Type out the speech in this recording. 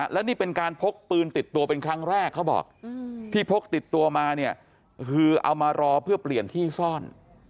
แล้วนี่เป็นการพกปืนติดตัวเป็นครั้งแรกเขาบอกที่พกติดตัวมาเนี่ยคือเอามารอเพื่อเปลี่ยนที่ซ่อน